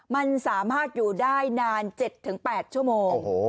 มันสามารถอยู่ได้นาน๗๘ชั่วโมง